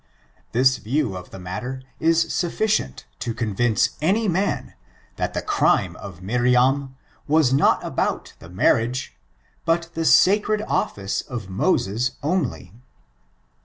This view of the matter is sufficient to convince any man that the crime of Miriam was not about the marriage but the sacred office of Moses only.